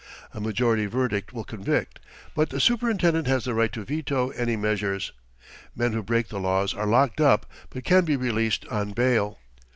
A majority verdict will convict, but the superintendent has the right to veto any measures. Men who break the laws are locked up, but can be released on bail.